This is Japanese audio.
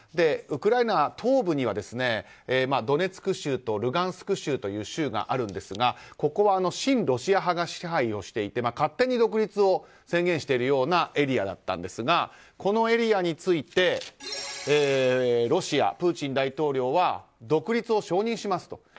ウクライナ東部にはドネツク州とルガンスク州という州があるんですがここは親ロシア派が支配をしていて勝手に独立を宣言しているようなエリアだったんですがこのエリアについてロシア、プーチン大統領は独立を承認しますと。